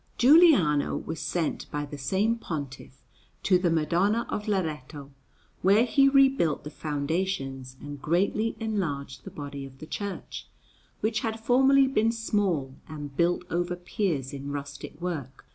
Giuliano was sent by the same Pontiff to the Madonna of Loreto, where he rebuilt the foundations and greatly enlarged the body of the church, which had formerly been small and built over piers in rustic work.